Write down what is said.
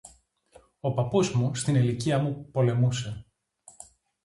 Ο Παππούς μου, στην ηλικία μου, πολεμούσε!